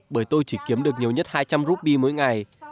bởi tôi chỉ kiếm được nhiều nhất hai trăm linh rupee mỗi ngày